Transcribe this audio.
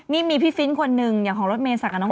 นี่มีพี่ฟิ้นคนหนึ่งอย่างของรถเมษักกับน้อง